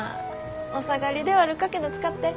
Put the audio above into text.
お下がりで悪かけど使って。